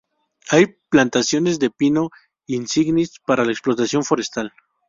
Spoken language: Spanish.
Hay plantaciones de pino insignis para la explotación forestal.